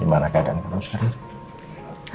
gimana keadaan kamu sekarang